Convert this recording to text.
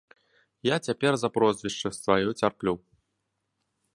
Я цяпер за прозвішча сваё цярплю.